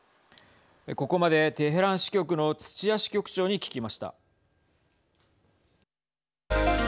ここまでテヘラン支局の土屋支局長に聞きました。